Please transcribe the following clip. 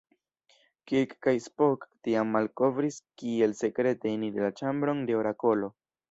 Kirk kaj Spock tiam malkovris kiel sekrete eniri la ĉambron de Orakolo.